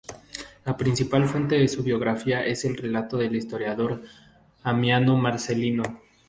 La principal fuente de su biografía es el relato del historiador Amiano Marcelino.